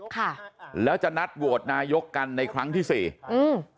ค่ะแล้วจะนัดโหวตนายกกันในครั้งที่สี่อืม